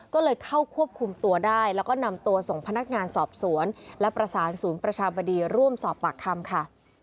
ก็เลยเข้าควบคุมตัวได้แล้วก็นำตัวส่งพนักงานสอบสวนและประสานศูนย์ประชาบดีร่วมสอบปากคำค่ะ